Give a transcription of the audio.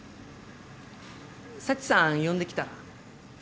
佐知さん呼んできたら？